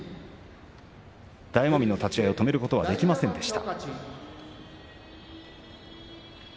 大奄美の立ち合いを止めることはできませんでした。